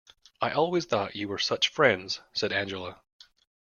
"I always thought you were such friends," said Angela.